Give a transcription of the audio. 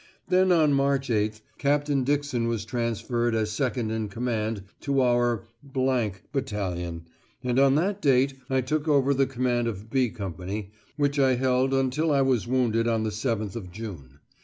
Then on March 8th Captain Dixon was transferred as Second in Command to our th Battalion, and on that date I took over the command of "B" Company, which I held until I was wounded on the 7th of June.